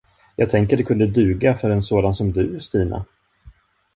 Jag tänker det kunde duga för en sådan som du, Stina.